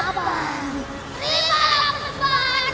tidak ada yang bisa dijam